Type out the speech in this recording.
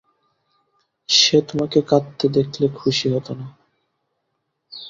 সে তোমাকে কাঁদতে দেখলে খুশি হত না।